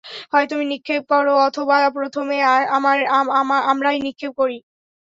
হয় তুমি নিক্ষেপ কর অথবা প্রথমে আমরাই নিক্ষেপ করি।